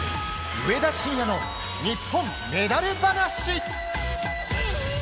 上田晋也の日本メダル話。